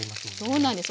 そうなんです。